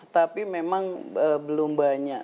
tapi memang belum banyak